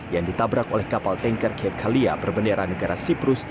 yang ditabrak oleh kapal tanker cape kalia berbendera negara siprus